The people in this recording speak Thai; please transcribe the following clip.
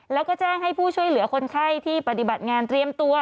แล้วก็แจ้งให้ผู้ช่วยเหลือคนไข้ที่ปฏิบัติงานเตรียมตัว